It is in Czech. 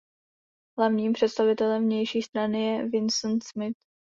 Hlavním představitelem vnější strany je Winston Smith.